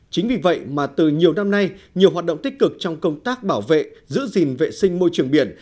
chính vì vậy mà từ nhiều năm nay nhiều hoạt động tích cực trong công tác bảo vệ giữ gìn vệ sinh môi trường biển